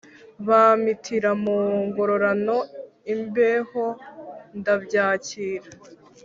Bampitira mu ngororano ibihembo ndabyakira